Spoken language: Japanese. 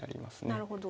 なるほど。